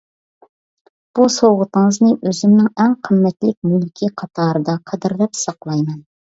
بۇ سوۋغىتىڭىزنى ئۆزۈمنىڭ ئەڭ قىممەتلىك مۈلكى قاتارىدا قەدىرلەپ ساقلايمەن.